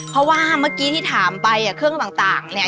เพราะว่าเมื่อกี้ที่ถามไปเครื่องต่างเนี่ย